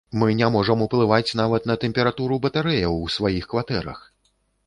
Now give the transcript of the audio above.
Мы не можам уплываць нават на тэмпературу батарэяў у сваіх кватэрах!